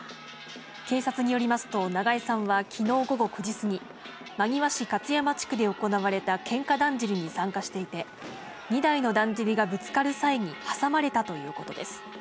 警察によりますと、長江さんはきのう午後９時過ぎ、真庭市勝山地区で行われた喧嘩だんじりに参加していて、２台のだんじりがぶつかる際に挟まれたということです。